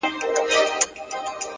صادق عمل تبلیغ ته اړتیا نه لري